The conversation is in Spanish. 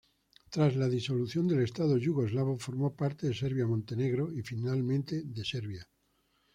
Tras la disolución del estado yugoslavo, formó parte de Serbia-Montenegro y finalmente de Serbia.